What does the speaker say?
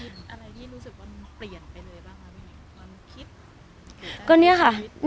ชีวิตอะไรที่รู้สึกว่าเปลี่ยนไปเลยบ้างครับนี่มันคิด